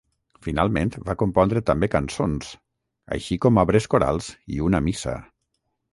Finalment va compondre també cançons, així com obres corals i una missa.